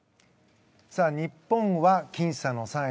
日本は僅差の３位。